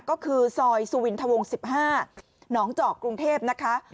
ก็คือซอยสุวินทวง๑๕หนองเจาะกรุงเทพนะคะ